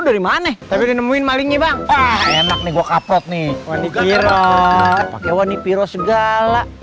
dari mana tapi nemuin malingi bang enak nih gua kapot nih wani piroh pake wani piroh segala